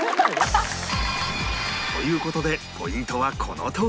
という事でポイントはこのとおり